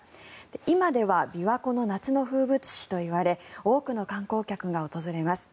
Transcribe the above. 今では琵琶湖の夏の風物詩といわれ多くの観光客が訪れます。